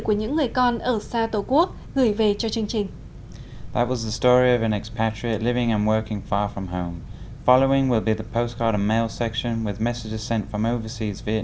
của những người con ở xa tổ quốc